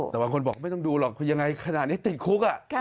แต่บางคนบอกไม่ต้องดูหรอกยังไงขนาดนี้ติดคุก